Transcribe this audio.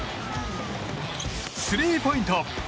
スリーポイント！